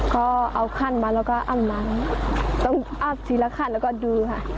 ก็เอาขั้นมาแล้วก็อ้ำมาต้องอัพทีละขั้นแล้วก็ดูค่ะ